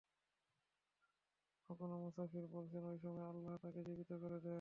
কোন কোন মুফাসসির বলেছেন, ঐ সময় আল্লাহ তাকে জীবিত করে দেন।